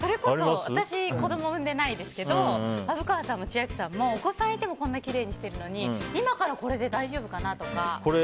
それこそ私は子供産んでないですけど虻川さんも千秋さんもお子さんいてもこんなにきれいにしてるのに今からこれで大丈夫かなとか。